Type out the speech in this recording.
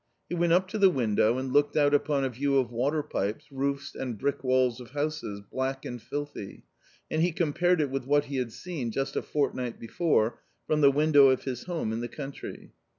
He went up to the window and looked out upon a view of water pipes, roofs, and brick walls of houses, black and filthy, and he compared it with what he had seen, just a fortnight before, from the window of his home in the country.